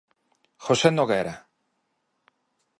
José Noguera.